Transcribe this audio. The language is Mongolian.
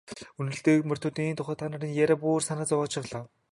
Үнэрлэдэг морьтнуудын тухай та нарын яриа бүр санаа зовоочихлоо.